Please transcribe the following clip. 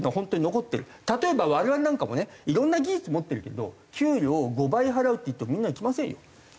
例えば我々なんかもねいろんな技術持ってるけど「給料５倍払う」って言ってもみんな行きませんよ。